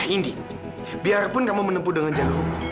indi biarpun kamu menempuh dengan jalur hukum